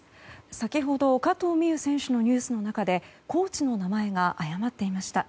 先ほど、加藤未唯選手のニュースの中でコーチの名前が誤っていました。